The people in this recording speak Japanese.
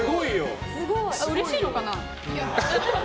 うれしいのかな。